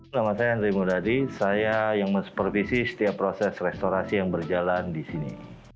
nama saya andri mudadi saya yang mensupervisi setiap proses restorasi yang berjalan di sini